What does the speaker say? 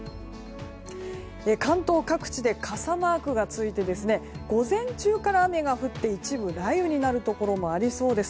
関東各地で傘マークがついて午前中から雨が降って一部、雷雨になるところもありそうです。